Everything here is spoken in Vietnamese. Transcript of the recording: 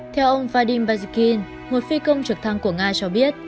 theo ông vadim bazikin một phi công trực thăng của nga cho biết